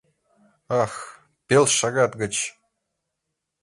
— Ах, пел шагат гыч!